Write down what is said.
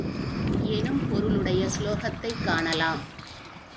எனும் பொருளுடைய சுலோகத்தைக் காணலாம்.